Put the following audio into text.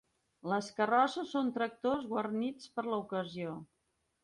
Les carrosses són tractors guarnits per l'ocasió.